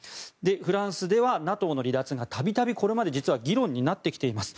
フランスではＮＡＴＯの離脱が度々これまで議論になってきています。